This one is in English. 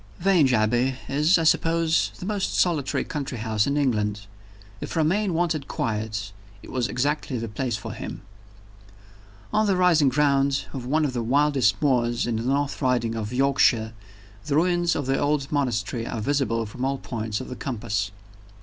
VII. VANGE ABBEY is, I suppose, the most solitary country house in England. If Romayne wanted quiet, it was exactly the place for him. On the rising ground of one of the wildest moors in the North Riding of Yorkshire, the ruins of the old monastery are visible from all points of the compass.